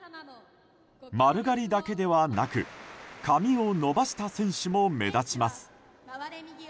丸刈りだけではなく髪を伸ばした選手も目立ちます。